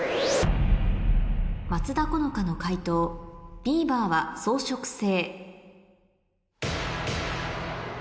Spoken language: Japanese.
松田好花の解答「ビーバーは草食性」